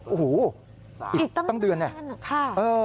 โอ้โหอีกตั้งเดือนเนี่ย